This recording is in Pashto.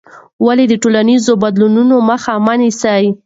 ولې د ټولنیزو بدلونونو مخه مه نیسې؟